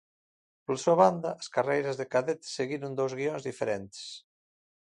Pola súa banda, as carreiras de Cadetes seguiron dous guións diferentes.